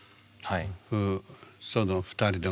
はい。